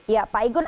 ya pak igun